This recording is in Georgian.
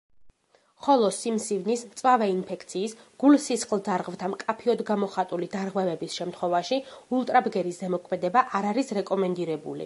ხოლო სიმსივნის, მწვავე ინფექციის, გულ-სისხლძარღვთა მკაფიოდ გამოხატული დარღვევების შემთხვევაში ულტრაბგერის ზემოქმედება არ არის რეკომენდირებული.